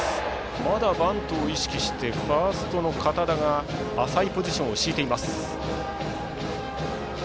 まだバントを意識してファーストの堅田が浅いポジションを敷いています。